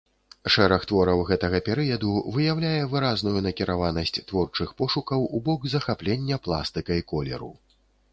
Шэраг твораў гэтага перыяду выяўляе выразную накіраванасць творчых пошукаў у бок захаплення пластыкай колеру.